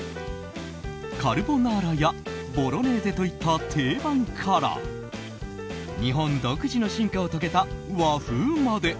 カルボナーラやボロネーゼといった定番から日本独自の進化を遂げた和風まで。